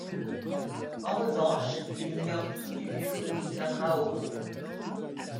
En revanche, il ignore tout du lieu où il viendra au monde.